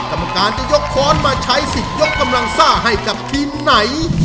กรรมการจะยกค้อนมาใช้สิทธิ์ยกกำลังซ่าให้กับทีมไหน